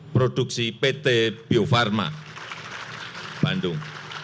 produksi pt bio farma bandung